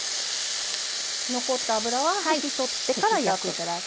残った油は拭き取ってから焼くと。